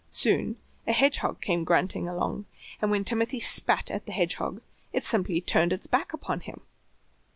Soon a hedgehog came grunting along, and when Timothy spat at the hedgehog it simply turned its back upon him.